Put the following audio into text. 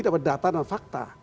dari data dan fakta